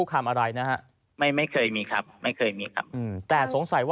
ตอนนี้ผมมีบุคคลผู้ต้องสงสัย